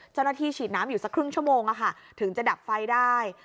เจ้าหน้าที่ฉีดน้ำอยู่สักครึ่งชั่วโมงถึงจะดับไฟได้